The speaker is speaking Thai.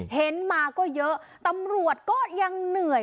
เห็นมาก็เยอะตำรวจก็ยังเหนื่อย